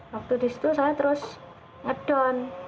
waktu disitu saya terus ngedon